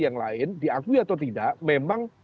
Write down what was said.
yang lain diakui atau tidak memang